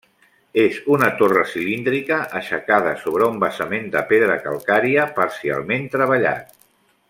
És una torre cilíndrica aixecada sobre un basament de pedra calcària parcialment treballat.